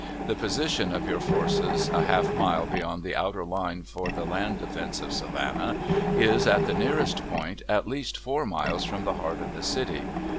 The position of your forces (a half mile beyond the outer line for the land defense of Savannah) is, at the nearest point, at least four miles from the heart of the city.